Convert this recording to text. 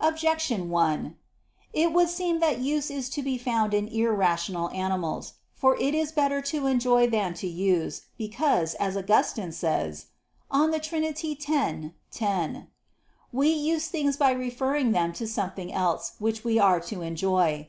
Objection 1: It would seem that use is to be found in irrational animals. For it is better to enjoy than to use, because, as Augustine says (De Trin. x, 10): "We use things by referring them to something else which we are to enjoy."